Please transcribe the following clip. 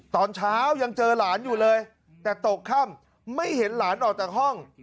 ตอนเช้ายังเจอหลานอยู่เลยแต่ตกค่ำไม่เห็นหลานออกจากห้อง